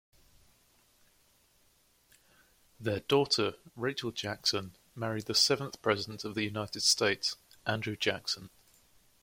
Their daughter, Rachel Jackson, married the seventh President of the United States, Andrew Jackson.